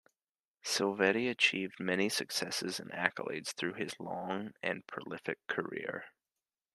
Silvetti achieved many successes and accolades throughout his long and prolific career.